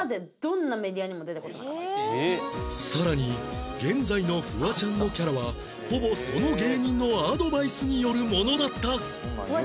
更に現在のフワちゃんのキャラはほぼその芸人のアドバイスによるものだった